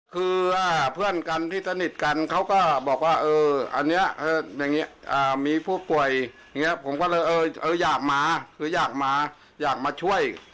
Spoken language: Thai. คือเพื่อนกันที่สนิทกันเค้าก็บอกว่าเอออันเนี้ยมีผู้ป่วยผมก็เลยเอออยากมาอยากมาช่วย